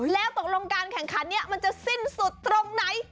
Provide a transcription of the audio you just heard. แล้วตกลงการแข่งขันนี้มันจะสิ้นสุดตรงไหน